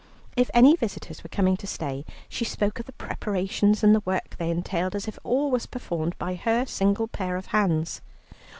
If any visitors were coming to stay, she spoke of the preparations and the work they entailed, as if all was performed by her single pair of hands.